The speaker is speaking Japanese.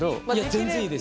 全然いいです。